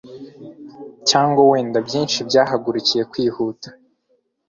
cyangwa wenda byinshi byahagurukiye kwihuta